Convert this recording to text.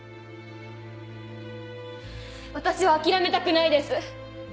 私は諦めたくないです！